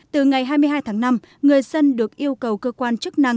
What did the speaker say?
từ ngày hai mươi hai tháng năm người dân được yêu cầu cơ quan chức năng